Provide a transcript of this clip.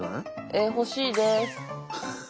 えっ欲しいです。